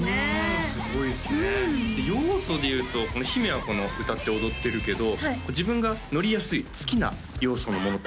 すごいですね要素でいうと姫は歌って踊ってるけど自分がのりやすい好きな要素のものある？